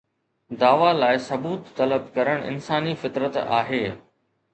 دعويٰ لاءِ ثبوت طلب ڪرڻ انساني فطرت آهي.